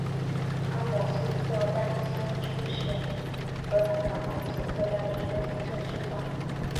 阿姆斯特丹新西区是荷兰阿姆斯特丹的一个行政区划。